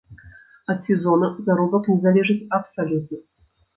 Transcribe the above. Ад сезона заробак не залежыць абсалютна.